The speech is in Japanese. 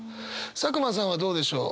佐久間さんはどうでしょう？